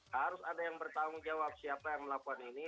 harus ada yang bertanggung jawab siapa yang melakukan ini